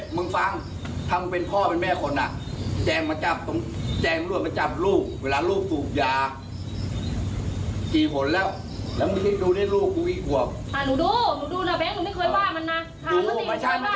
เพื่ออะไรเวลากูชวนหากินดีพ่อหากิน